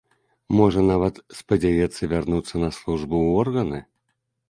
Можа нават, спадзяецца вярнуцца на службу ў органы.